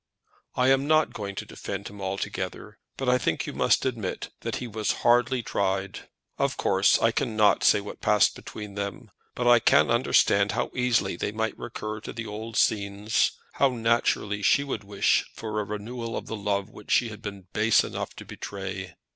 "I am not going to defend him altogether, but I think you must admit that he was hardly tried. Of course I cannot say what passed between them, but I can understand how easily they might recur to the old scenes; how naturally she would wish for a renewal of the love which she had been base enough to betray!